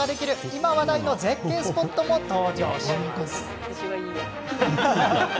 今、話題の絶景スポットも登場します。